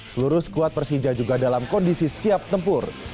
seluruh skuad persija juga dalam kondisi siap tempur